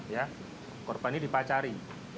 ya korban ini dipacari